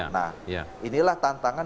nah inilah tantangan